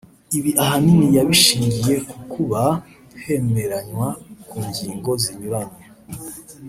Ibi ahanini yabishingiye ku kuba hemeranywa ku ngingo zinyuranye